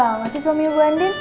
perhatian banget si suami bu andin